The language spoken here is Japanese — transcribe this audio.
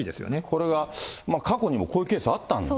これが過去にもこういうケースあったと。